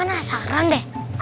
aku mah nasaran deh